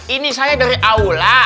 ini saya dari aula